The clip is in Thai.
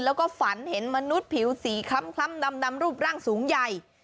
แล้วก็ฝันเห็นมนุษย์ผิวสีคล้ำดำรูปร่างสูงใหญ่